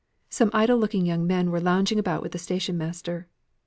Some idle looking young men were lounging about with the station master.